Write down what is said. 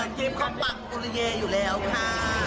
อันนี้ต้องมา